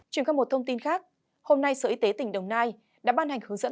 chuyển các một thông tin khác hôm nay sở y tế tỉnh đồng nai đã ban hành hướng dẫn